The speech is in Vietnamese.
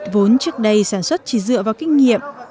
vốn trước đây sản xuất chỉ dựa vào kinh nghiệm